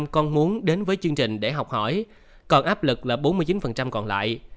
năm mươi một con muốn đến với chương trình để học hỏi còn áp lực là bốn mươi chín còn lại